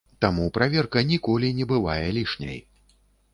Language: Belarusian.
Таму праверка ніколі не бывае лішняй.